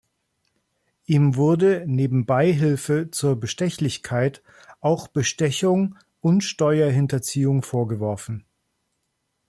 Ihm wurde neben Beihilfe zur Bestechlichkeit auch Bestechung und Steuerhinterziehung vorgeworfen.